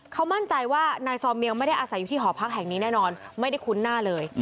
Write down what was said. เขามั่นใจว่านายซอมเมียงไม่ได้อาศัยอยู่ที่หอพักแห่งนี้แน่นอนไม่ได้คุ้นหน้าเลย